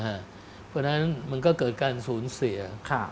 เพราะฉะนั้นมันก็เกิดการสูญเสีย